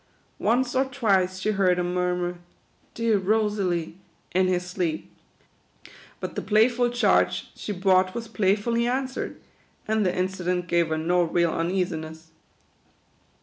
Once or twice she heard him murmur, " dear Rosalie," in his sleep ; but the playful charge she brought was play fully answered, and the incident gave her o real un easiness.